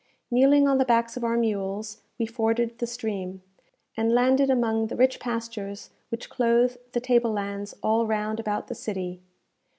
Kneeling on the backs of our mules, we forded the stream, and landed among the rich pastures which clothe the table lands all round about the city.